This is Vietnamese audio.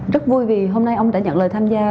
rất vui vì hôm nay ông đã nhận lời tham gia